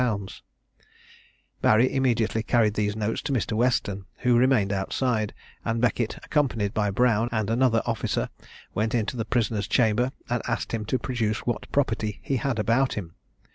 _ Barry immediately carried these notes to Mr. Weston, who remained outside; and Beckett, accompanied by Brown and another officer, went into the prisoner's chamber, and asked him to produce what property he had about him.